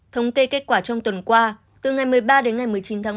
thông kê kết quả trong tuần qua từ ngày một mươi ba đến ngày một mươi chín tháng ba